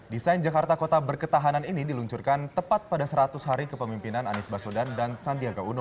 desain jakarta kota berketahanan ini diluncurkan tepat pada seratus hari kepemimpinan anies baswedan dan sandiaga uno